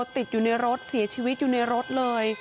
ติดอยู่ในรถเสียชีวิตอยู่ในรถเลย